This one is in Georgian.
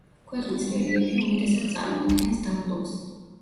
ქვეყნის რელიეფი უმეტესად წარმოადგენს დაბლობს.